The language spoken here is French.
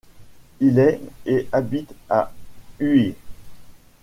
Il est et habite à Huy.